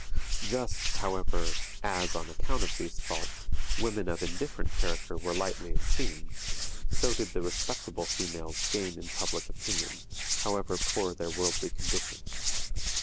Just, however, as, on account of these faults, women of indifferent character were lightly esteemed, so did the respectable females gain in public opinion, however poor their worldly condition.